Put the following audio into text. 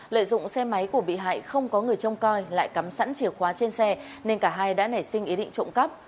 lợi dụng xe máy của bị hại không có người trông coi lại cắm sẵn chìa khóa trên xe nên cả hai đã nảy sinh ý định trộm cắp